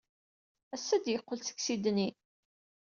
Ass-a, ad d-yeqqel seg Sidney.